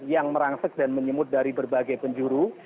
yang merangsek dan menyemut dari berbagai penjuru